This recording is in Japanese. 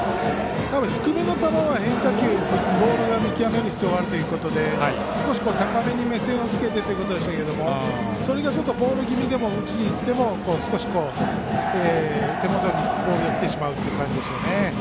低めの球、変化球はボールを見極める必要があるということで少し高めに目線をつけてということですがそれがボール気味で打ちにいっても少し手元にボールが来てしまう感じでしょうね。